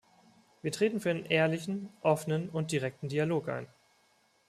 Wir treten für einen ehrlichen, offenen und direkten Dialog ein.